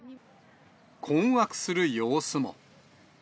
困惑する様子も。